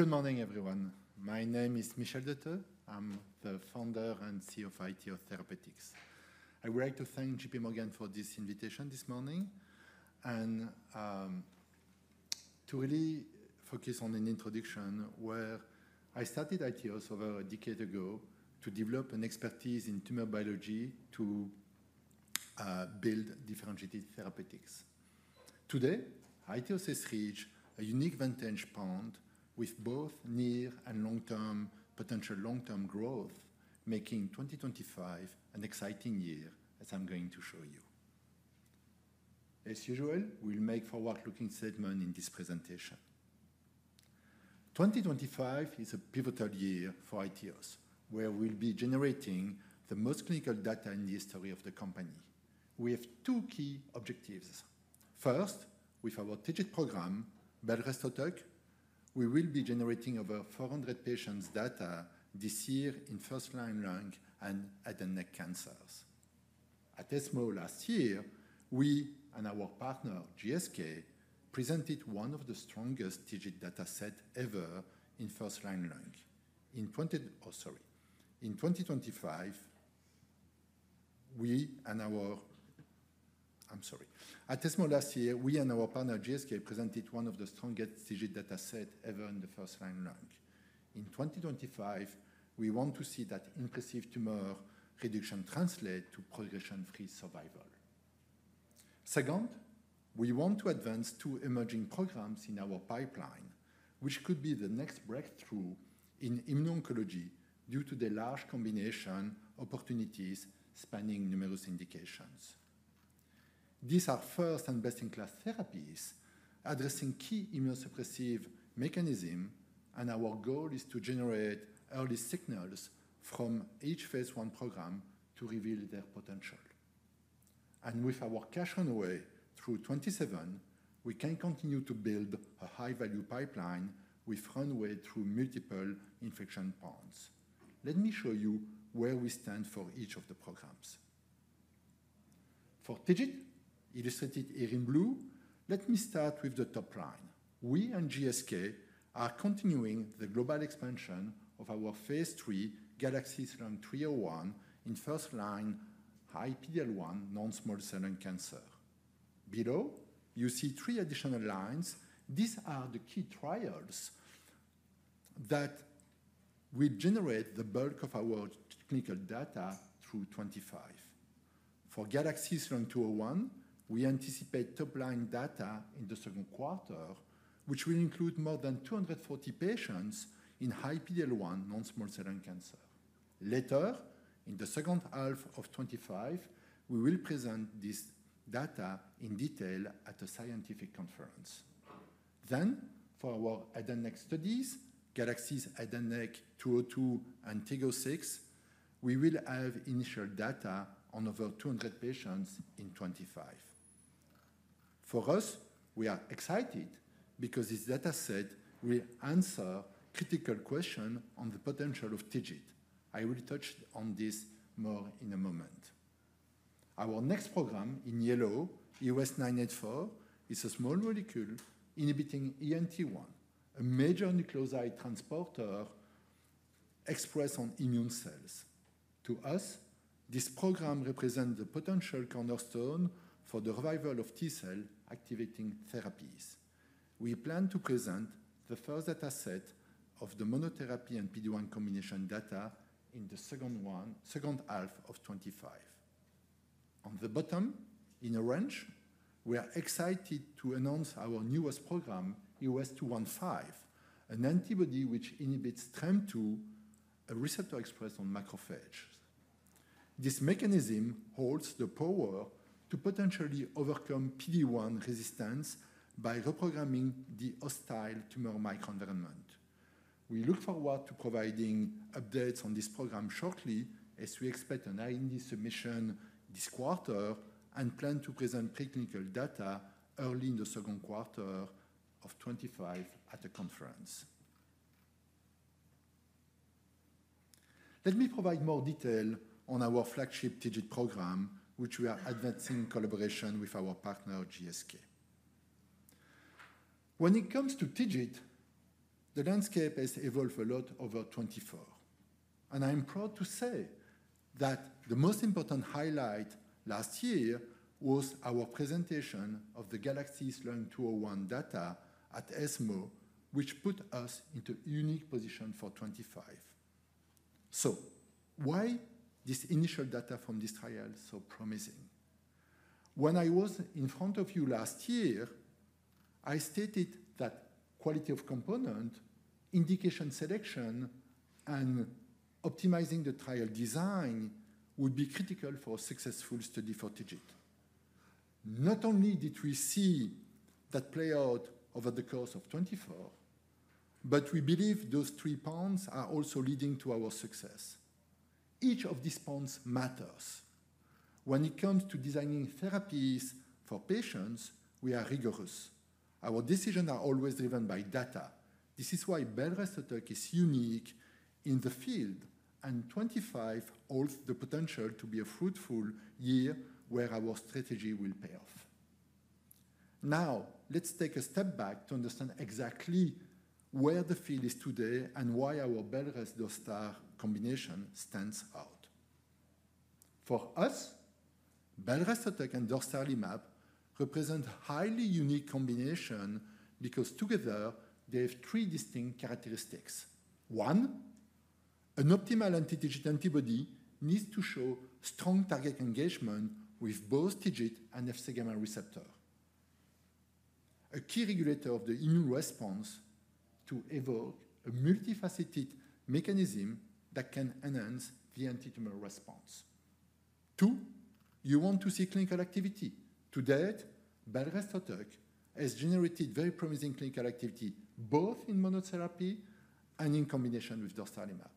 Good morning, everyone. My name is Michel Detheux. I'm the founder and CEO of iTeos Therapeutics. I would like to thank JPMorgan for this invitation this morning and to really focus on an introduction where I started iTeos over a decade ago to develop an expertise in tumor biology to build differential therapeutics. Today, iTeos has reached a unique vantage point with both near and long-term potential, long-term growth, making 2025 an exciting year, as I'm going to show you. As usual, we'll make forward-looking statements in this presentation. 2025 is a pivotal year for iTeos, where we'll be generating the most clinical data in the history of the company. We have two key objectives. First, with our TIGIT program, belrestotug, we will be generating over 400 patients' data this year in first-line lung and head and neck cancers. At ESMO last year, we and our partner, GSK, presented one of the strongest clinical data sets ever in the first-line lung. In 2025, we want to see that impressive tumor reduction translate to progression-free survival. Second, we want to advance two emerging programs in our pipeline, which could be the next breakthrough in immuno-oncology due to the large combination opportunities spanning numerous indications. These are first and best-in-class therapies addressing key immunosuppressive mechanisms, and our goal is to generate early signals from each phase I program to reveal their potential. With our cash runway through 2027, we can continue to build a high-value pipeline with runway through multiple inflection points. Let me show you where we stand for each of the programs. For TIGIT, illustrated here in blue, let me start with the top line. We and GSK are continuing the global expansion of our phase III GALAXIES Lung-301 in first-line high PD-L1 non-small cell lung cancer. Below, you see three additional lines. These are the key trials that will generate the bulk of our clinical data through 2025. For GALAXIES Lung-201, we anticipate top-line data in the second quarter, which will include more than 240 patients in high PD-L1 non-small cell lung cancer. Later, in the second half of 2025, we will present this data in detail at a scientific conference. Then, for our head and neck studies, GALAXIES H&N-202 and TIG-006, we will have initial data on over 200 patients in 2025. For us, we are excited because this data set will answer critical questions on the potential of TIGIT. I will touch on this more in a moment. Our next program in yellow, EOS-984, is a small molecule inhibiting ENT1, a major nucleoside transporter expressed on immune cells. To us, this program represents the potential cornerstone for the revival of T-cell activating therapies. We plan to present the first data set of the monotherapy and PD-1 combination data in the second half of 2025. On the bottom, in orange, we are excited to announce our newest program, EOS-215, an antibody which inhibits TREM2, a receptor expressed on macrophages. This mechanism holds the power to potentially overcome PD-1 resistance by reprogramming the hostile tumor microenvironment. We look forward to providing updates on this program shortly as we expect an IND submission this quarter and plan to present preclinical data early in the second quarter of 2025 at a conference. Let me provide more detail on our flagship TIGIT program, which we are advancing in collaboration with our partner, GSK. When it comes to TIGIT, the landscape has evolved a lot over 2024, and I'm proud to say that the most important highlight last year was our presentation of the GALAXIES Lung-201 data at ESMO, which put us into a unique position for 2025. Why is this initial data from this trial so promising? When I was in front of you last year, I stated that quality of component, indication selection, and optimizing the trial design would be critical for a successful study for TIGIT. Not only did we see that play out over the course of 2024, but we believe those three points are also leading to our success. Each of these points matters. When it comes to designing therapies for patients, we are rigorous. Our decisions are always driven by data. This is why belrestotug is unique in the field, and 2025 holds the potential to be a fruitful year where our strategy will pay off. Now, let's take a step back to understand exactly where the field is today and why our belrestotug combination stands out. For us, belrestotug and dostarlimab represent a highly unique combination because together they have three distinct characteristics. One, an optimal anti-TIGIT antibody needs to show strong target engagement with both TIGIT and Fc gamma receptor, a key regulator of the immune response to evoke a multifaceted mechanism that can enhance the anti-tumor response. Two, you want to see clinical activity. To date, belrestotug has generated very promising clinical activity both in monotherapy and in combination with dostarlimab.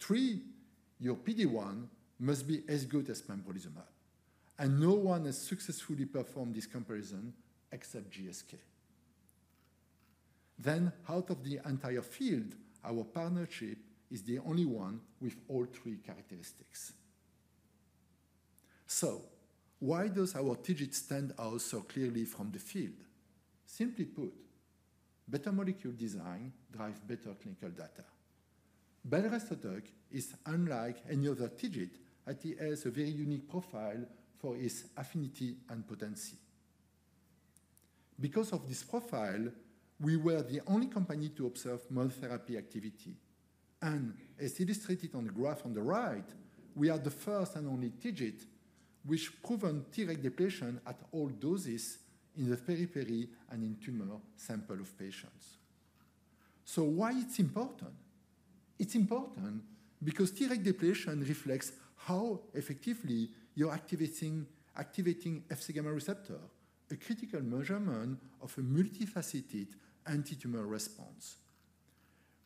Three, your PD-1 must be as good as pembrolizumab. And no one has successfully performed this comparison except GSK. Then, out of the entire field, our partnership is the only one with all three characteristics. So why does our TIGIT stand out so clearly from the field? Simply put, better molecule design drives better clinical data. belrestotug is unlike any other TIGIT as it has a very unique profile for its affinity and potency. Because of this profile, we were the only company to observe monotherapy activity. And as illustrated on the graph on the right, we are the first and only TIGIT which proven Treg depletion at all doses in the periphery and in tumor sample of patients. So why is it important? It's important because Treg depletion reflects how effectively you're activating Fc gamma receptor, a critical measurement of a multifaceted anti-tumor response.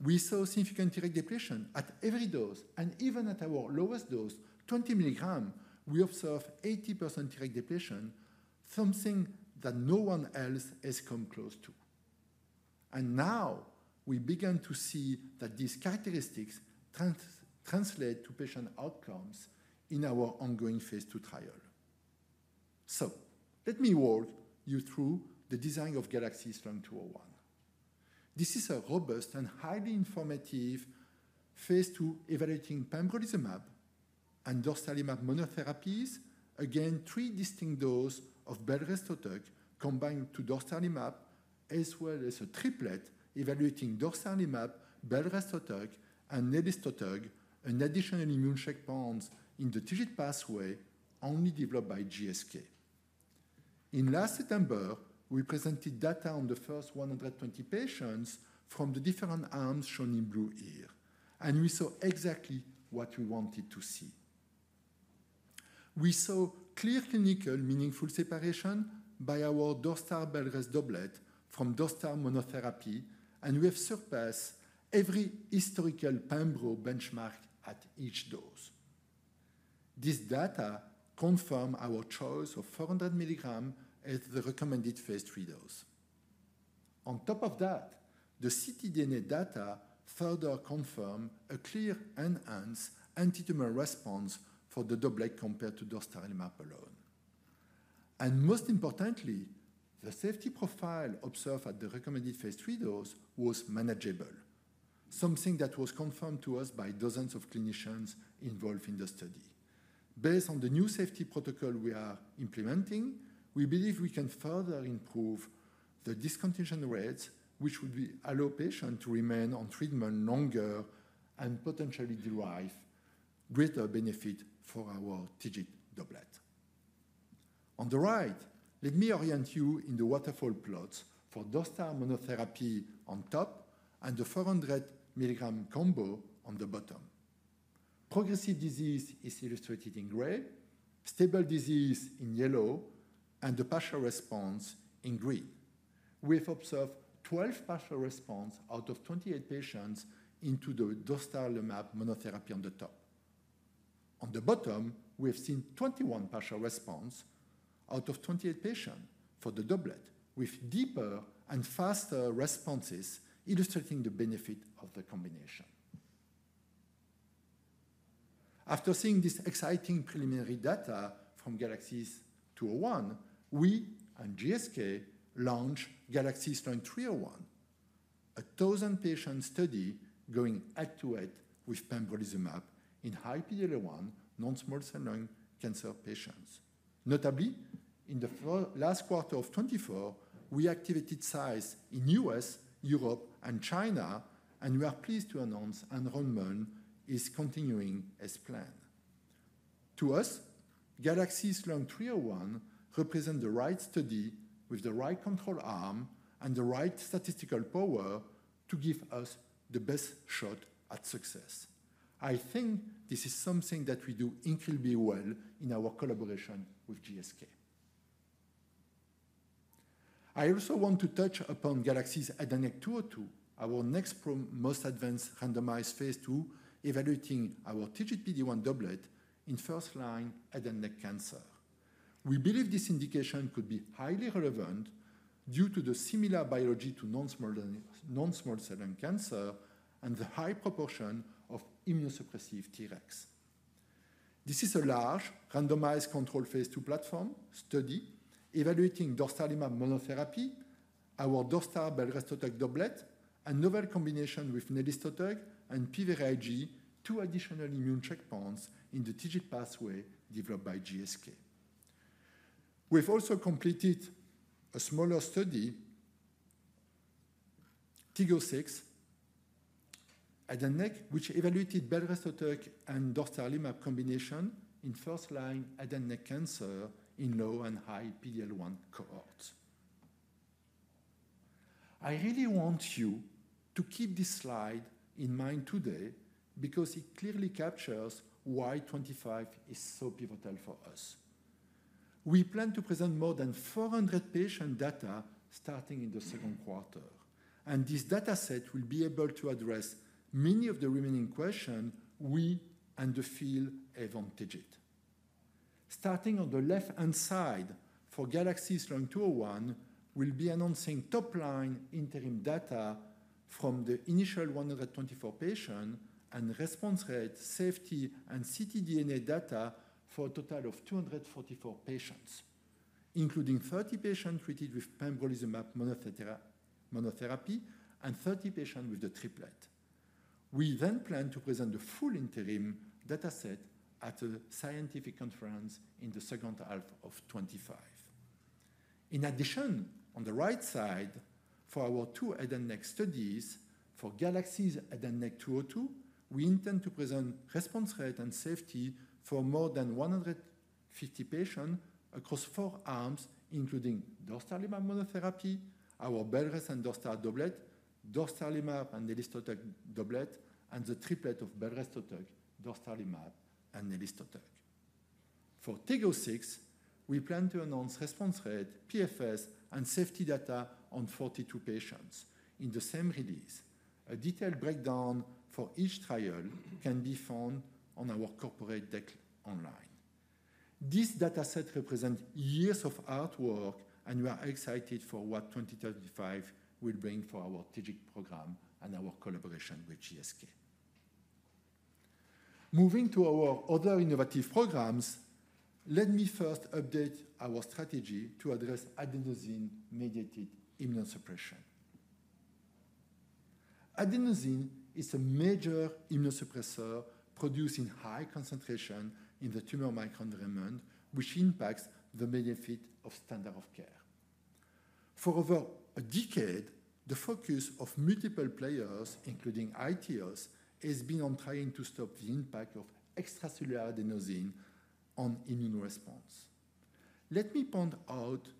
We saw significant Treg depletion at every dose, and even at our lowest dose, 20 mgs, we observed 80% Treg depletion, something that no one else has come close to, and now we began to see that these characteristics translate to patient outcomes in our ongoing phase II trial, so let me walk you through the design of GALAXIES Lung-201. This is a robust and highly informative phase II evaluating pembrolizumab and dostarlimab monotherapies, again, three distinct doses of belrestotug combined to dostarlimab, as well as a triplet evaluating dostarlimab, belrestotug, and nelistotug, an additional immune checkpoint in the TIGIT pathway only developed by GSK. In last September, we presented data on the first 120 patients from the different arms shown in blue here. We saw exactly what we wanted to see. We saw clear clinically meaningful separation by our dostarlimab-belrestotug doublet from dostarlimab monotherapy, and we have surpassed every historical pembrolizumab benchmark at each dose. This data confirms our choice of 400 mg as the recommended phase III dose. On top of that, the ctDNA data further confirms a clearly enhanced anti-tumor response for the doublet compared to dostarlimab alone. Most importantly, the safety profile observed at the recommended phase III dose was manageable, something that was confirmed to us by dozens of clinicians involved in the study. Based on the new safety protocol we are implementing, we believe we can further improve the discontinuation rates, which would allow patients to remain on treatment longer and potentially derive greater benefit from our TIGIT doublet. On the right, let me orient you in the waterfall plots for dostarlimab monotherapy on top and the 400 mg combo on the bottom. Progressive disease is illustrated in gray, stable disease in yellow, and the partial response in green. We have observed 12 partial responses out of 28 patients in the dostarlimab monotherapy on the top. On the bottom, we have seen 21 partial responses out of 28 patients for the doublet with deeper and faster responses illustrating the benefit of the combination. After seeing this exciting preliminary data from GALAXIES Lung-201, we and GSK launched GALAXIES Lung-301, a thousand-patient study going head-to-head with pembrolizumab in high PD-L1 non-small cell lung cancer patients. Notably, in the last quarter of 2024, we activated sites in the U.S., Europe, and China, and we are pleased to announce enrollment is continuing as planned. To us, GALAXIES Lung-301 represents the right study with the right control arm and the right statistical power to give us the best shot at success. I think this is something that we do incredibly well in our collaboration with GSK. I also want to touch upon GALAXIES H&N-202, our next most advanced randomized phase II evaluating our TIGIT PD-1 doublet in first-line head and neck cancer. We believe this indication could be highly relevant due to the similar biology to non-small cell lung cancer and the high proportion of immunosuppressive Tregs. This is a large randomized control phase II platform study evaluating dostarlimab monotherapy, our dostarlimab belrestotug doublet, and novel combination with nelistotug and PVRIG, two additional immune checkpoints in the TIGIT pathway developed by GSK. We've also completed a smaller study, TIG-006, head and neck which evaluated belrestotug and dostarlimab combination in first-line head and neck cancer in low and high PD-L1 cohorts. I really want you to keep this slide in mind today because it clearly captures why 2025 is so pivotal for us. We plan to present more than 400 patient data starting in the second quarter. And this data set will be able to address many of the remaining questions we and the field have on TIGIT. Starting on the left-hand side for GALAXIES Lung-201, we'll be announcing top-line interim data from the initial 124 patients and response rate, safety, and ctDNA data for a total of 244 patients, including 30 patients treated with pembrolizumab monotherapy and 30 patients with the triplet. We then plan to present the full interim data set at a scientific conference in the second half of 2025. In addition, on the right side for our two GALAXIES H&N-202 studies for GALAXIES H&N-202, we intend to present response rate and safety for more than 150 patients across four arms, including dostarlimab monotherapy, our belrestotug and dostarlimab doublet, dostarlimab and nelistotug doublet, and the triplet of belrestotug, dostarlimab, and nelistotug. For TIG-006, we plan to announce response rate, PFS, and safety data on 42 patients in the same release. A detailed breakdown for each trial can be found on our corporate deck online. This data set represents years of hard work, and we are excited for what 2025 will bring for our TIGIT program and our collaboration with GSK. Moving to our other innovative programs, let me first update our strategy to address adenosine-mediated immunosuppression. Adenosine is a major immunosuppressor produced in high concentration in the tumor microenvironment, which impacts the benefit of standard of care. For over a decade, the focus of multiple players, including iTeos, has been on trying to stop the impact of extracellular adenosine on immune response. Let me point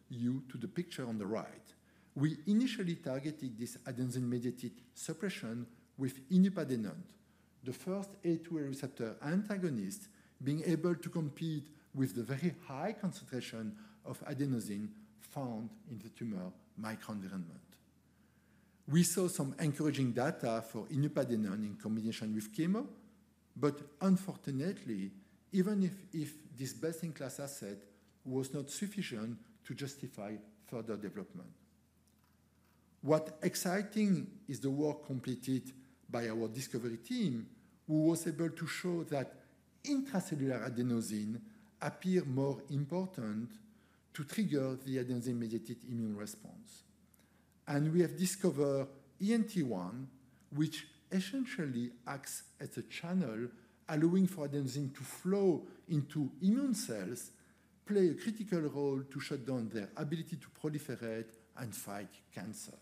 you to the picture on the right. We initially targeted this adenosine-mediated suppression with inupadenant, the first A2A receptor antagonist being able to compete with the very high concentration of adenosine found in the tumor microenvironment. We saw some encouraging data for inupadenant in combination with chemo, but unfortunately, even if this best-in-class asset was not sufficient to justify further development. What's exciting is the work completed by our discovery team, who was able to show that intracellular adenosine appears more important to trigger the adenosine-mediated immune response. And we have discovered ENT1, which essentially acts as a channel allowing for adenosine to flow into immune cells, playing a critical role to shut down their ability to proliferate and fight cancer.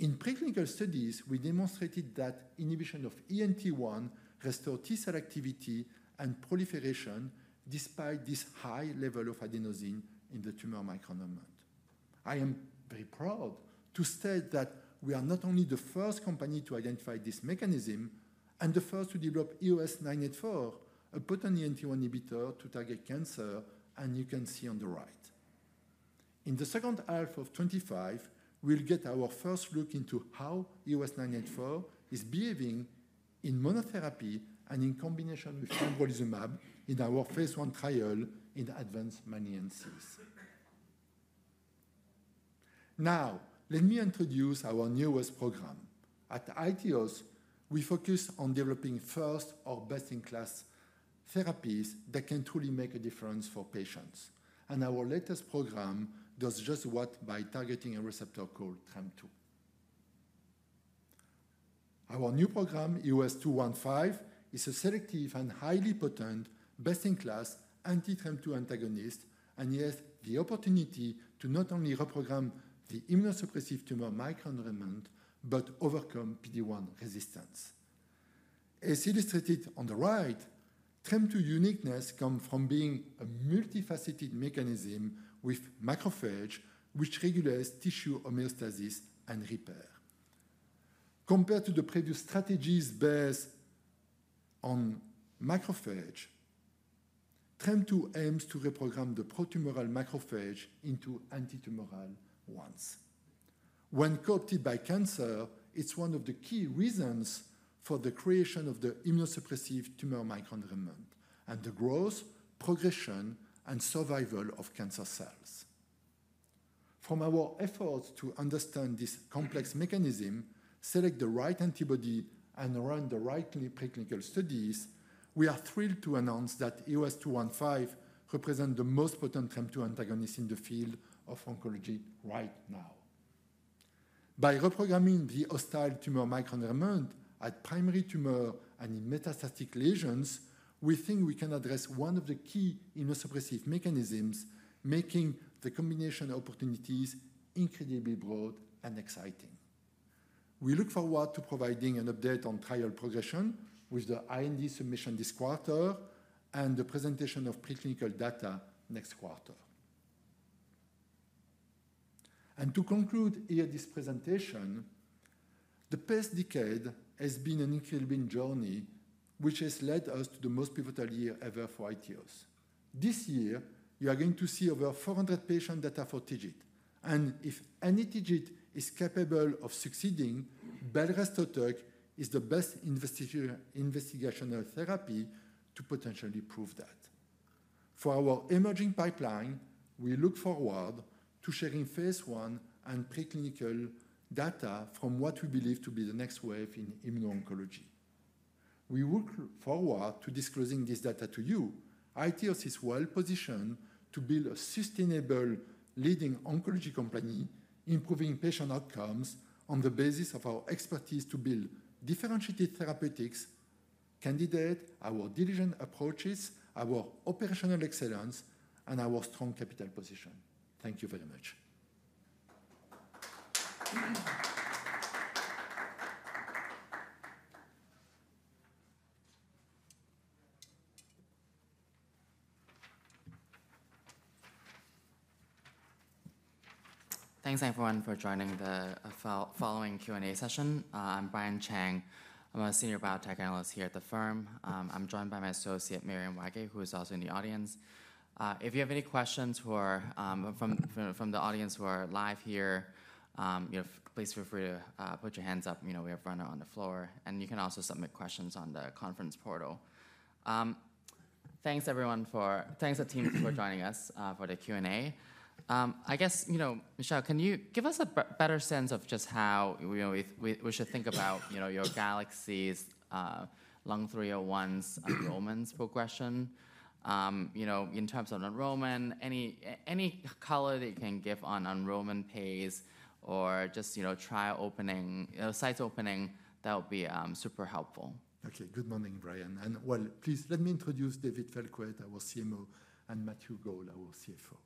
In preclinical studies, we demonstrated that inhibition of ENT1 restores T-cell activity and proliferation despite this high level of adenosine in the tumor microenvironment. I am very proud to state that we are not only the first company to identify this mechanism and the first to develop EOS-984, a potent ENT1 inhibitor to target cancer, and you can see on the right. In the second half of 2025, we'll get our first look into how EOS-984 is behaving in monotherapy and in combination with pembrolizumab in our phase I trial in advanced malignancies. Now, let me introduce our newest program. At iTeos, we focus on developing first or best-in-class therapies that can truly make a difference for patients. And our latest program does just that by targeting a receptor called TREM2. Our new program, EOS-215, is a selective and highly potent best-in-class anti-TREM2 antagonist, and it has the opportunity to not only reprogram the immunosuppressive tumor microenvironment but overcome PD-1 resistance. As illustrated on the right, TREM2's uniqueness comes from being a multifaceted mechanism with macrophage, which regulates tissue homeostasis and repair. Compared to the previous strategies based on macrophage, TREM2 aims to reprogram the protumoral macrophage into antitumoral ones. When co-opted by cancer, it's one of the key reasons for the creation of the immunosuppressive tumor microenvironment and the growth, progression, and survival of cancer cells. From our efforts to understand this complex mechanism, select the right antibody, and run the right preclinical studies, we are thrilled to announce that EOS-215 represents the most potent TREM2 antagonist in the field of oncology right now. By reprogramming the hostile tumor microenvironment at primary tumor and in metastatic lesions, we think we can address one of the key immunosuppressive mechanisms, making the combination opportunities incredibly broad and exciting. We look forward to providing an update on trial progression with the IND submission this quarter and the presentation of preclinical data next quarter. And to conclude here this presentation, the past decade has been an incredible journey, which has led us to the most pivotal year ever for iTeos. This year, you are going to see over 400 patient data for TIGIT. And if any TIGIT is capable of succeeding, belrestotug is the best investigational therapy to potentially prove that. For our emerging pipeline, we look forward to sharing phase I and preclinical data from what we believe to be the next wave in immuno-oncology. We look forward to disclosing this data to you. iTeos is well positioned to build a sustainable leading oncology company, improving patient outcomes on the basis of our expertise to build differentiated therapeutics, candidate, our diligent approaches, our operational excellence, and our strong capital position. Thank you very much. Thanks, everyone, for joining the following Q&A session. I'm Brian Cheng. I'm a senior biotech analyst here at the firm. I'm joined by my associate, Marion Wager, who is also in the audience. If you have any questions from the audience who are live here, please feel free to put your hands up. We have one on the floor. And you can also submit questions on the conference portal. Thanks, everyone. Thanks to the team for joining us for the Q&A. I guess, Michel, can you give us a better sense of just how we should think about your GALAXIES Lung-301's enrollment progression in terms of enrollment? Any color that you can give on enrollment pace or just trial opening, sites opening, that would be super helpful? OK, good morning, Brian. Well, please let me introduce David Feltquate, our CMO, and Matthew Gall, our CFO.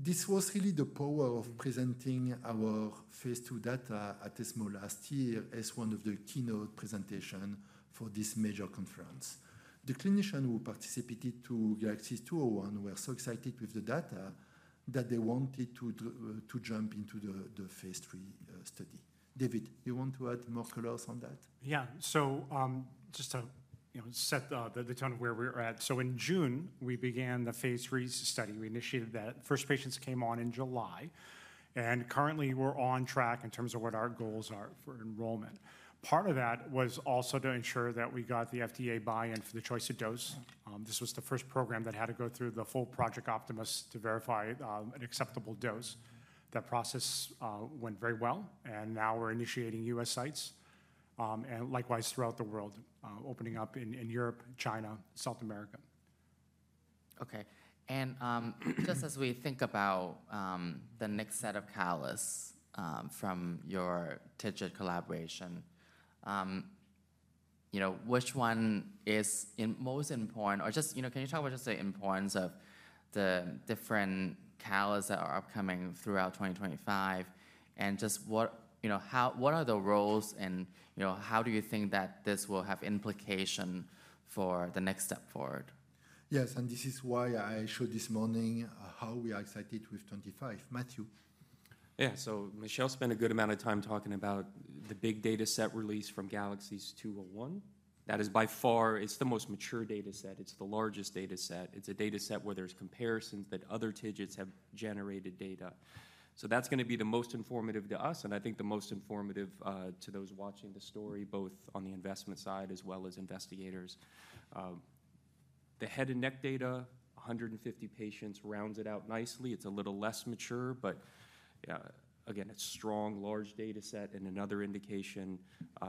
This was really the power of presenting our phase II data at ESMO last year as one of the keynote presentations for this major conference. The clinicians who participated in GALAXIES Lung-201 were so excited with the data that they wanted to jump into the phase III study. David, you want to add more color on that? Yeah. So just to set the tone of where we're at, so in June, we began the phase III study. We initiated that. First, patients came on in July, and currently, we're on track in terms of what our goals are for enrollment. Part of that was also to ensure that we got the FDA buy-in for the choice of dose. This was the first program that had to go through the full Project Optimus to verify an acceptable dose. That process went very well, and now we're initiating U.S. sites and likewise throughout the world, opening up in Europe, China, South America. OK. And just as we think about the next set of catalysts from your TIGIT collaboration, which one is most important? Or just can you talk about just the importance of the different catalysts that are upcoming throughout 2025? And just what are the roles? And how do you think that this will have implications for the next step forward? Yes. And this is why I showed this morning how we are excited with 25. Matthew. Yeah. Michel spent a good amount of time talking about the big data set release from GALAXIES Lung-201. That is, by far, it's the most mature data set. It's the largest data set. It's a data set where there's comparisons that other TIGITs have generated data. So that's going to be the most informative to us, and I think the most informative to those watching the story, both on the investment side as well as investigators. The head and neck data, 150 patients, rounds it out nicely. It's a little less mature. But again, it's a strong, large data set. And another indication,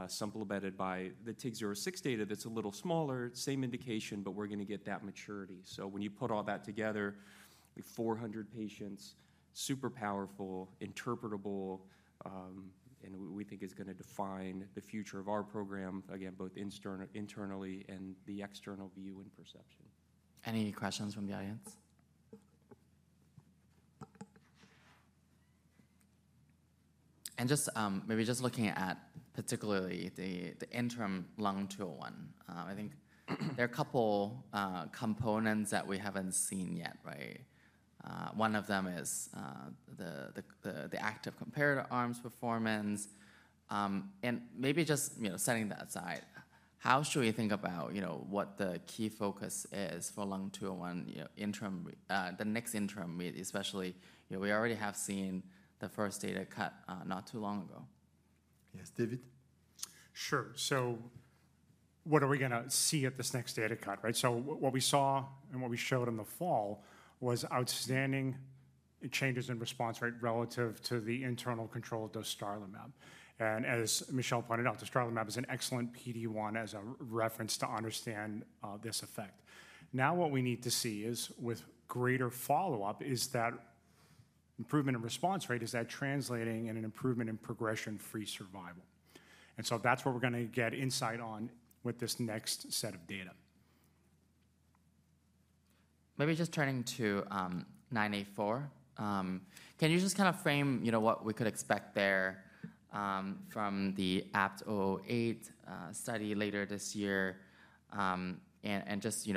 some bolstered by the TIG-006 data, that's a little smaller, same indication, but we're going to get that maturity. So when you put all that together, 400 patients, super powerful, interpretable, and we think it's going to define the future of our program, again, both internally and the external view and perception. Any questions from the audience? And maybe just looking at particularly the interim Lung-201, I think there are a couple of components that we haven't seen yet, right? One of them is the active comparator arm's performance. And maybe just setting that aside, how should we think about what the key focus is for Lung-201, the next interim readout, especially? We already have seen the first data cut not too long ago. Yes, David. Sure. So what are we going to see at this next data cut, right? So what we saw and what we showed in the fall was outstanding changes in response rate relative to the internal control of dostarlimab. And as Michel pointed out, the dostarlimab is an excellent PD-1 as a reference to understand this effect. Now what we need to see is, with greater follow-up, is that improvement in response rate is that translating in an improvement in progression-free survival. And so that's what we're going to get insight on with this next set of data. Maybe just turning to 984, can you just kind of frame what we could expect there from the 008 study later this year? And just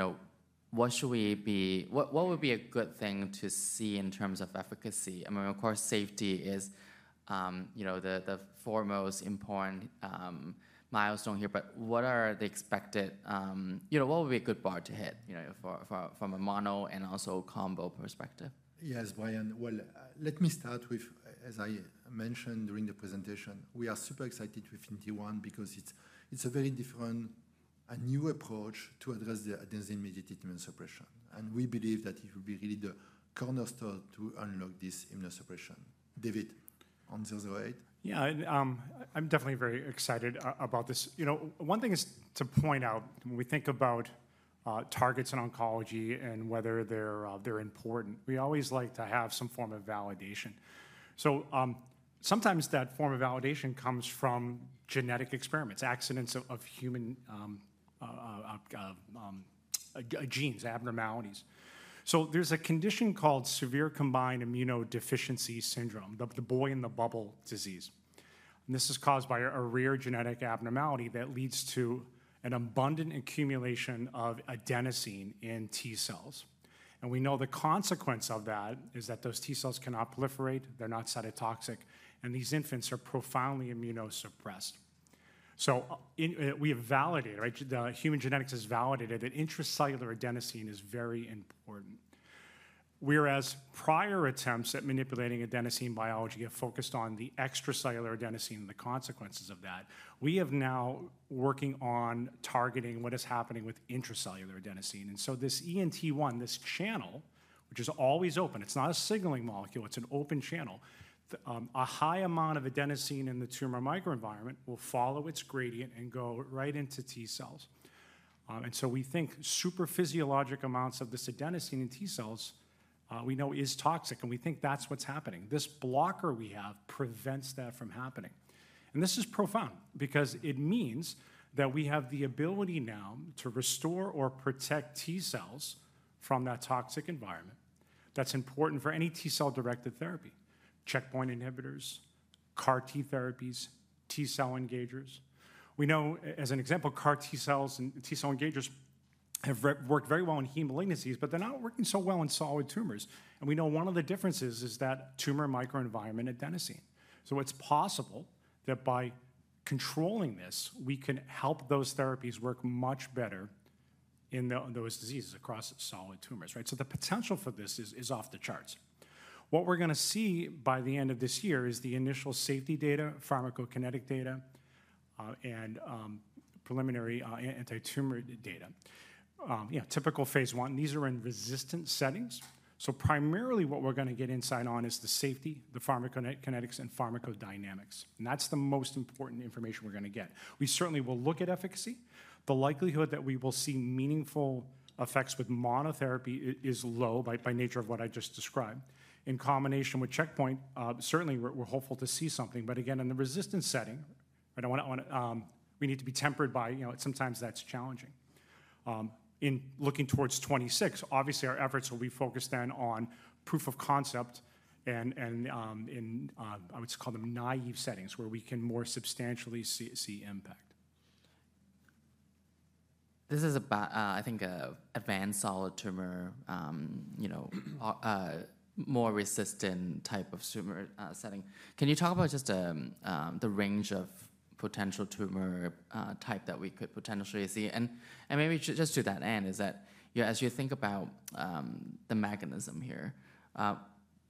what would be a good thing to see in terms of efficacy? I mean, of course, safety is the foremost important milestone here. But what would be a good bar to hit from a mono and also combo perspective? Yes, Brian. Well, let me start with, as I mentioned during the presentation, we are super excited with ENT1 because it's a very different, a new approach to address the adenosine-mediated immunosuppression. And we believe that it will be really the cornerstone to unlock this immunosuppression. David, on 008? Yeah. I'm definitely very excited about this. One thing is to point out, when we think about targets in oncology and whether they're important, we always like to have some form of validation. So sometimes that form of validation comes from genetic experiments, accidents of genes, abnormalities. So there's a condition called severe combined immunodeficiency syndrome, the boy in the bubble disease. And this is caused by a rare genetic abnormality that leads to an abundant accumulation of adenosine in T cells. And we know the consequence of that is that those T cells cannot proliferate. They're not cytotoxic. And these infants are profoundly immunosuppressed. So we have validated, right? The human genetics has validated that intracellular adenosine is very important. Whereas prior attempts at manipulating adenosine biology have focused on the extracellular adenosine and the consequences of that, we have now working on targeting what is happening with intracellular adenosine, and so this ENT1, this channel, which is always open, it's not a signaling molecule. It's an open channel. A high amount of adenosine in the tumor microenvironment will follow its gradient and go right into T cells, and so we think super physiologic amounts of this adenosine in T cells we know is toxic, and we think that's what's happening. This blocker we have prevents that from happening, and this is profound because it means that we have the ability now to restore or protect T cells from that toxic environment. That's important for any T-cell-directed therapy, checkpoint inhibitors, CAR-T therapies, T-cell engagers. We know, as an example, CAR T cells and T-cell engagers have worked very well in hematologic malignancies, but they're not working so well in solid tumors. And we know one of the differences is that tumor microenvironment adenosine. So it's possible that by controlling this, we can help those therapies work much better in those diseases across solid tumors, right? So the potential for this is off the charts. What we're going to see by the end of this year is the initial safety data, pharmacokinetic data, and preliminary anti-tumor data. Typical phase I, these are in resistant settings. So primarily what we're going to get insight on is the safety, the pharmacokinetics, and pharmacodynamics. And that's the most important information we're going to get. We certainly will look at efficacy. The likelihood that we will see meaningful effects with monotherapy is low by nature of what I just described. In combination with checkpoint, certainly we're hopeful to see something. But again, in the resistant setting, we need to be tempered by sometimes that's challenging. In looking towards 2026, obviously our efforts will be focused then on proof of concept and in, I would call them, naive settings where we can more substantially see impact. This is, I think, an advanced solid tumor, more resistant type of tumor setting. Can you talk about just the range of potential tumor type that we could potentially see? And maybe just to that end, is that as you think about the mechanism here,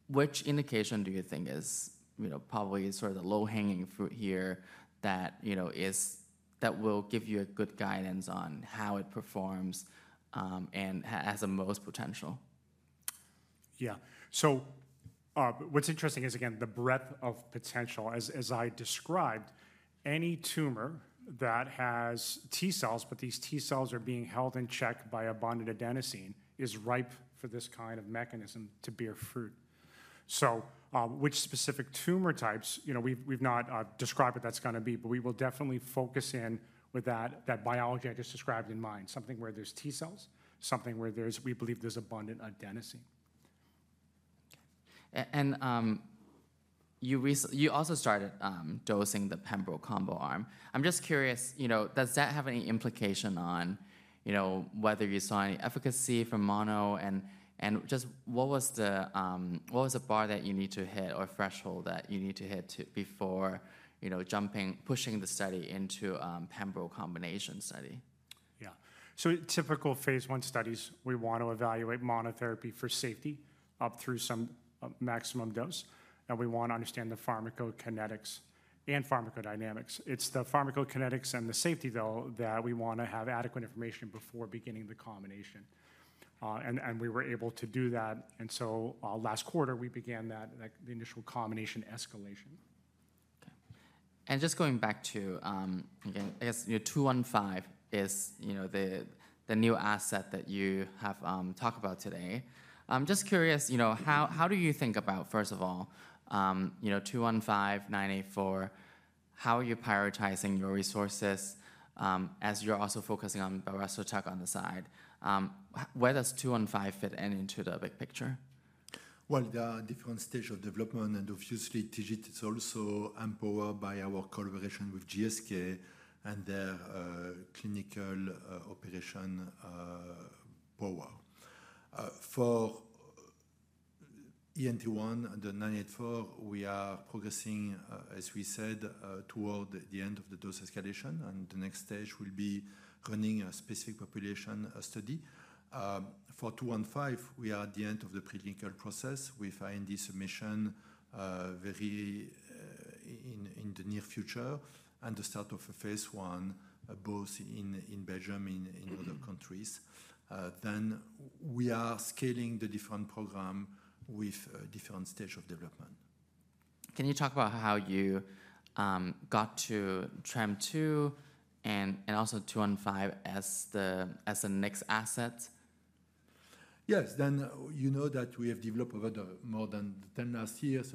which indication do you think is probably sort of the low-hanging fruit here that will give you a good guidance on how it performs and has the most potential? Yeah. So what's interesting is, again, the breadth of potential. As I described, any tumor that has T-cells, but these T-cells are being held in check by abundant adenosine, is ripe for this kind of mechanism to bear fruit. So which specific tumor types we've not described what that's going to be, but we will definitely focus in with that biology I just described in mind, something where there's T-cells, something where we believe there's abundant adenosine. And you also started dosing the pembro combo arm. I'm just curious, does that have any implication on whether you saw any efficacy for mono? And just what was the bar that you need to hit or threshold that you need to hit before pushing the study into pembro combination study? Yeah. So typical phase I studies, we want to evaluate monotherapy for safety up through some maximum dose. And we want to understand the pharmacokinetics and pharmacodynamics. It's the pharmacokinetics and the safety, though, that we want to have adequate information before beginning the combination. And we were able to do that. And so last quarter, we began that initial combination escalation. And just going back to, again, I guess 215 is the new asset that you have talked about today. I'm just curious, how do you think about, first of all, 215, 984, how are you prioritizing your resources as you're also focusing on belrestotug on the side? Where does 215 fit into the big picture? There are different stages of development. Obviously, TIGIT is also empowered by our collaboration with GSK and their clinical operation power. For ENT1 and the 984, we are progressing, as we said, toward the end of the dose escalation. The next stage will be running a specific population study. For 215, we are at the end of the preclinical process with IND submission very in the near future and the start of phase 1, both in Belgium and in other countries. We are scaling the different program with different stages of development. Can you talk about how you got to TREM2 and also 215 as the next asset? Yes. Then, you know, that we have developed over more than 10 last years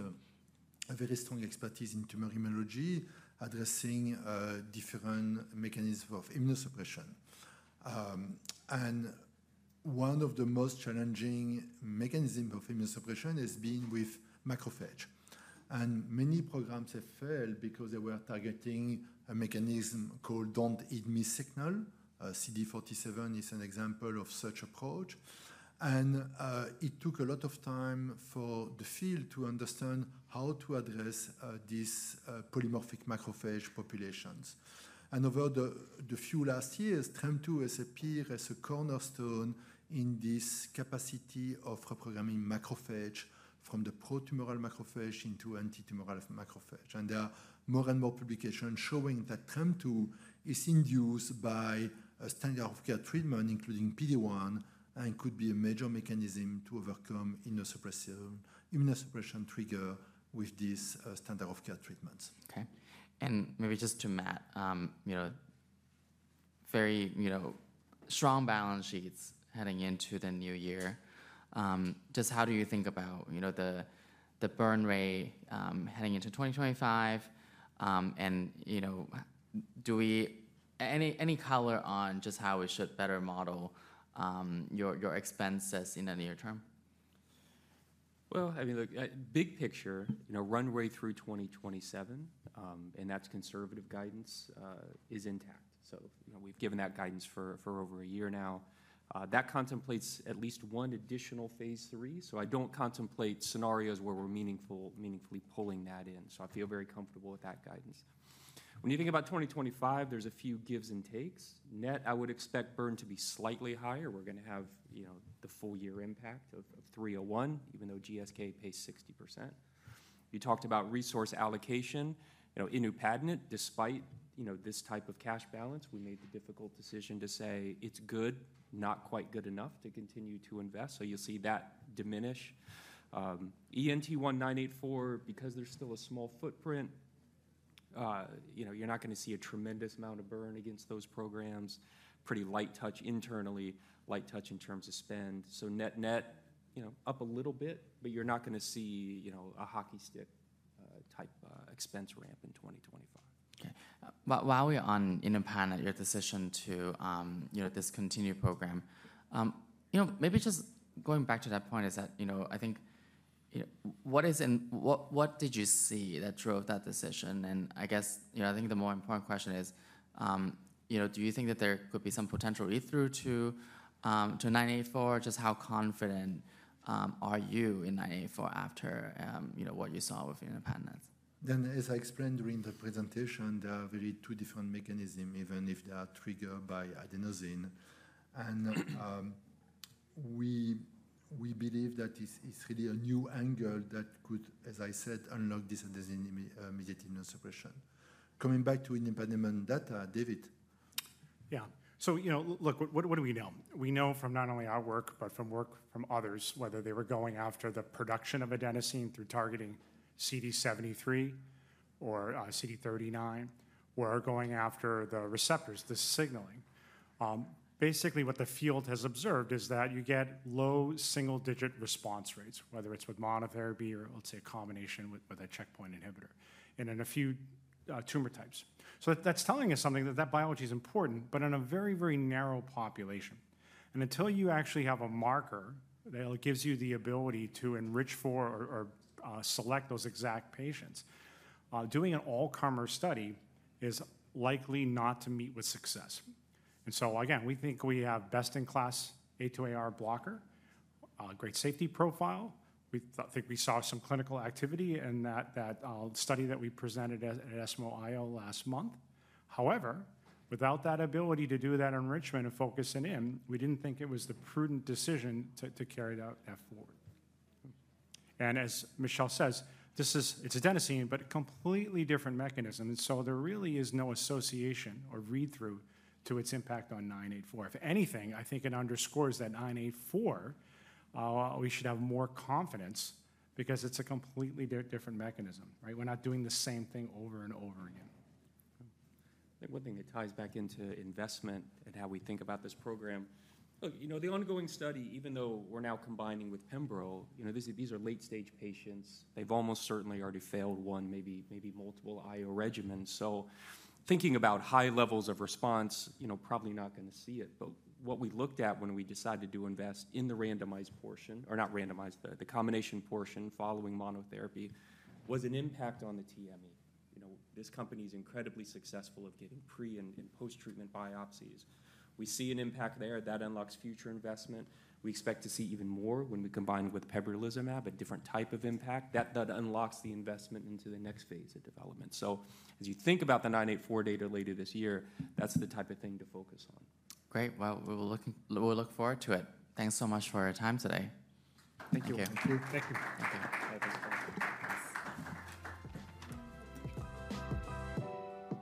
a very strong expertise in tumor immunology addressing different mechanisms of immunosuppression. And one of the most challenging mechanisms of immunosuppression has been with macrophage. And many programs have failed because they were targeting a mechanism called Don't Eat Me signal. CD47 is an example of such approach. And it took a lot of time for the field to understand how to address these polymorphic macrophage populations. And over the few last years, TREM2 has appeared as a cornerstone in this capacity of reprogramming macrophage from the pro-tumoral macrophage into anti-tumoral macrophage. And there are more and more publications showing that TREM2 is induced by a standard of care treatment, including PD-1, and could be a major mechanism to overcome immunosuppression trigger with these standard of care treatments. Maybe just to Matt, very strong balance sheets heading into the new year. Just how do you think about the burn rate heading into 2025? And any color on just how we should better model your expenses in the near term? Well, I mean, look. Big picture, runway through 2027, and that's conservative guidance, is intact. So we've given that guidance for over a year now. That contemplates at least one additional phase III. So I don't contemplate scenarios where we're meaningfully pulling that in. So I feel very comfortable with that guidance. When you think about 2025, there's a few gives and-takes. Net, I would expect burn to be slightly higher. We're going to have the full year impact of 301, even though GSK pays 60%. You talked about resource allocation. Inupadenant, despite this type of cash balance, we made the difficult decision to say it's good, not quite good enough to continue to invest. So you'll see that diminish. ENT1, 984, because there's still a small footprint, you're not going to see a tremendous amount of burn against those programs. Pretty light touch internally, light touch in terms of spend, so net-net, up a little bit, but you're not going to see a hockey stick-type expense ramp in 2025. While we're on inupadenant, your decision to discontinue program, maybe just going back to that point is that I think what did you see that drove that decision? And I guess I think the more important question is, do you think that there could be some potential read-through to 984? Just how confident are you in 984 after what you saw with inupadenant? Then, as I explained during the presentation, there are really two different mechanisms, even if they are triggered by adenosine, and we believe that it's really a new angle that could, as I said, unlock this adenosine-mediated immunosuppression. Coming back to inupadenant data, David. Yeah. So look, what do we know? We know from not only our work, but from work from others, whether they were going after the production of adenosine through targeting CD73 or CD39, or going after the receptors, the signaling. Basically, what the field has observed is that you get low single-digit response rates, whether it's with monotherapy or, let's say, a combination with a checkpoint inhibitor in a few tumor types. So that's telling us something that, that biology is important, but in a very, very narrow population. And until you actually have a marker that gives you the ability to enrich for or select those exact patients, doing an all-comer study is likely not to meet with success. And so again, we think we have best-in-class A2AR blocker, great safety profile. I think we saw some clinical activity in that study that we presented at ESMO IO last month. However, without that ability to do that enrichment and focus in MSI, we didn't think it was the prudent decision to carry that forward, and as Michel says, it's adenosine, but a completely different mechanism, and so there really is no association or read-through to its impact on 984. If anything, I think it underscores that 984, we should have more confidence because it's a completely different mechanism, right? We're not doing the same thing over and over again. I think one thing that ties back into investment and how we think about this program, the ongoing study, even though we're now combining with pembrolizumab, these are late-stage patients. They've almost certainly already failed one, maybe multiple IO regimens. So thinking about high levels of response, probably not going to see it. But what we looked at when we decided to invest in the randomized portion, or not randomized, the combination portion following monotherapy, was an impact on the TME. This company is incredibly successful at getting pre and post-treatment biopsies. We see an impact there. That unlocks future investment. We expect to see even more when we combine with pembrolizumab, a different type of impact that unlocks the investment into the next phase of development. So as you think about the 984 data later this year, that's the type of thing to focus on. Great. We will look forward to it. Thanks so much for your time today. Thank you. Thank you. Thank you.